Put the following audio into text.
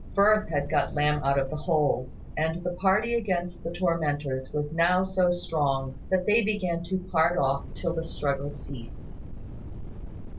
Firth had got Lamb out of the hole, and the party against the tormentors was now so strong that they began to part off till the struggle ceased.